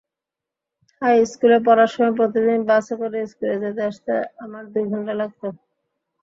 হাইস্কুলে পড়ার সময় প্রতিদিন বাসে করে স্কুলে যেতে-আসতে আমার দুই ঘণ্টা লাগত।